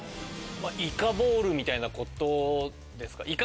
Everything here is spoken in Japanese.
イカボールみたいなことですか？